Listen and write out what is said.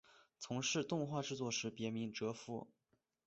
从事动画制作时别名哲夫。